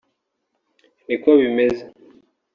niko bimeze [